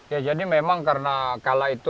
ya jadi memang karena kala itu